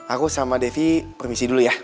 aku sama devi permisi dulu ya